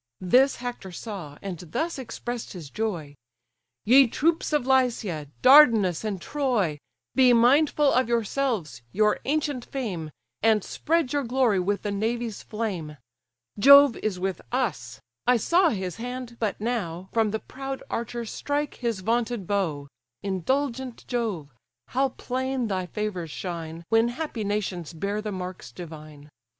This Hector saw, and thus express'd his joy: "Ye troops of Lycia, Dardanus, and Troy! Be mindful of yourselves, your ancient fame, And spread your glory with the navy's flame. Jove is with us; I saw his hand, but now, From the proud archer strike his vaunted bow: Indulgent Jove! how plain thy favours shine, When happy nations bear the marks divine!